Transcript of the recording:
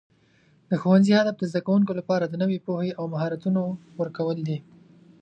د ښوونځي هدف د زده کوونکو لپاره د نوي پوهې او مهارتونو ورکول دي.